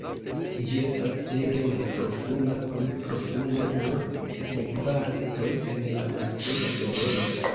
Ĝi estas ege malprofunda, kun profundo nur de kvar futoj en la malseka sezono.